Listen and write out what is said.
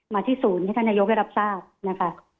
มาที่ศูนย์ให้ท่านนายกได้รับทราบนะคะ